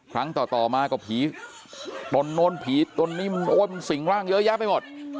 ครั้งต่อมาก็ผีตนโน้นผีตนนี้มันโอ้ยมันสิ่งร่างเยอะแยะไปหมด